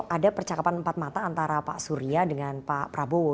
ada percakapan empat mata antara pak surya dengan pak prabowo